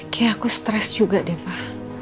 kayak aku stres juga deh pak